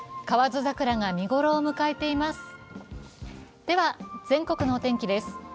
河津桜が見頃を迎えています。